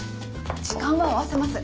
時間は合わせます。